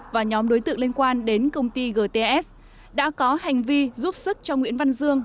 và nhóm đối tượng liên quan đến công ty gts đã có hành vi giúp sức cho nguyễn văn dương